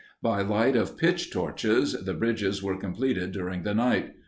By light of pitch torches, the bridges were completed during the night.